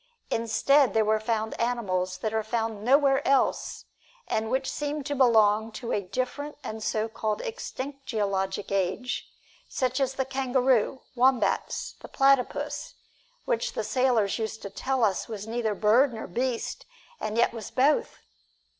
Instead there were found animals that are found nowhere else, and which seem to belong to a different and so called extinct geologic age, such as the kangaroo, wombats, the platypus which the sailors used to tell us was neither bird not beast, and yet was both.